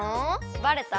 バレた？